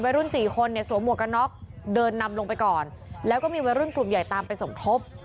วัยรุ่นสี่คนสวงหมวกอะน๊อกเดินนำลงไปก่อนแล้วก็มีวัยรุ่นกลุ่มใหญ่ตามไปส่งทบ